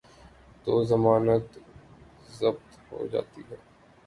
تو ضمانت ضبط ہو جاتی ہے۔